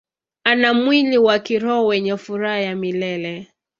Ana mwili wa kiroho wenye furaha ya milele.